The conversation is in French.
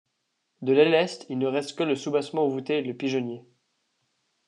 De l'aile est il ne reste que le soubassement voûté et le pigeonnier.